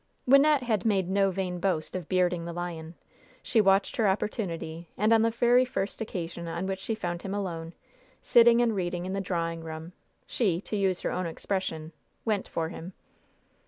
Wynnette had made no vain boast of "bearding the lion." She watched her opportunity, and on the very first occasion on which she found him alone, sitting and reading in the drawing room, she to use her own expression "went for him."